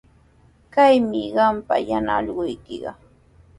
Kaymi qampa yana allquykiqa.